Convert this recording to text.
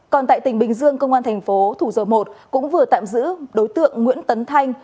còn tại tỉnh bình dương công an thành phố thủ dầu một cũng vừa tạm giữ đối tượng nguyễn tấn thanh